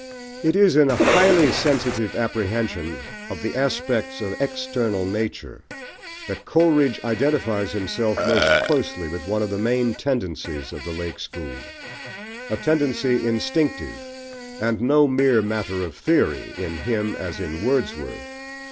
It is in a highly sensitive apprehension of the aspects of external nature that Coleridge identifies himself most closely with one of the main tendencies of the "Lake School"; a tendency instinctive, and no mere matter of theory, in him as in Wordsworth.